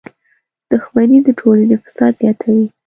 • دښمني د ټولنې فساد زیاتوي.